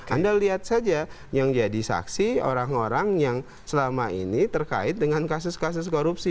anda lihat saja yang jadi saksi orang orang yang selama ini terkait dengan kasus kasus korupsi